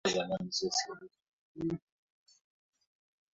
wanaume wajawa au vijana kila kimbia